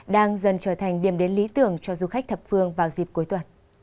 đang dần trở thành điểm đến lý tưởng cho du khách thập phương vào dịp cuối tuần